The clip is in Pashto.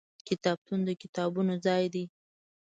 کتابتون د کتابونو ځای دی.